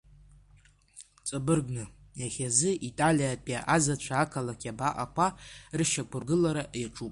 Ҵабыргны, иахьазы, италиатәи аҟазацәа ақалақь абаҟақәа рышьақәыргылара иаҿуп.